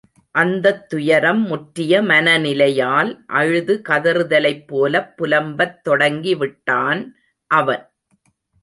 அந்தத் துயரம் முற்றிய மனநிலையால் அழுது கதறுதலைப் போலப் புலம்பத் தொடங்கிவிட்டான் அவன்.